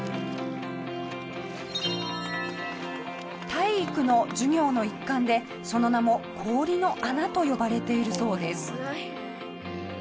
体育の授業の一環でその名も「氷の穴」と呼ばれているそうです。